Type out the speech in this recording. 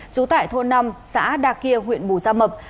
chú tại thôn năm xã đà kia huyện bù gia mập